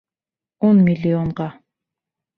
Ун миллионға.